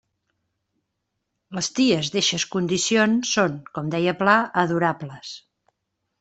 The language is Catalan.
Les ties d'eixes condicions són, com deia Pla, adorables.